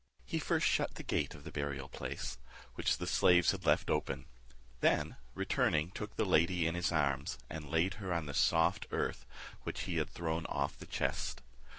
He first shut the gate of the burial place, which the slaves had left open; then, returning, took the lady in his arms, and laid her on the soft earth which he had thrown off the chest.